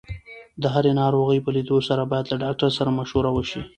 د هرې ناروغۍ په لیدو سره باید له ډاکټر سره مشوره وشي.